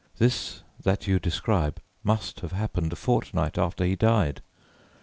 This that you describe must have happened a fortnight after he died.